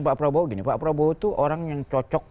pak prabowo gini pak prabowo itu orang yang cocok